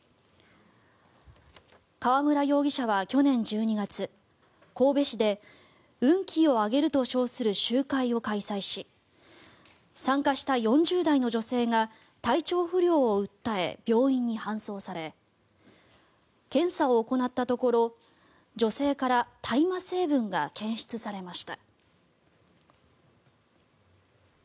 川村容疑者は去年１２月神戸市で、運気を上げると称する集会を開催し参加した４０代の女性が体調不良を訴え病院に搬送され検査を行ったところ女性から大麻成分が検出されました。